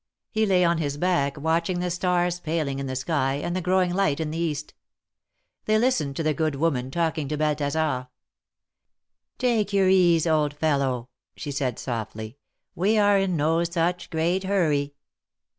He lay on his back, watching the stars paling in the sky, and the growing light in the east. They listened to the good woman talking to Balthasar. " Take your ease, old fellow," she said, softly. " Wc are in no such great hurry